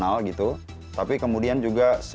yg sangat banyak make anar ajio